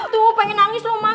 tuh pengen nangis loh mas